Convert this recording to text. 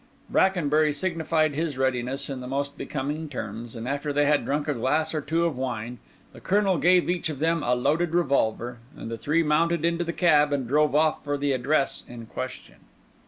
Brackenbury signified his readiness in the most becoming terms; and after they had drunk a glass or two of wine, the Colonel gave each of them a loaded revolver, and the three mounted into the cab and drove off for the address in question.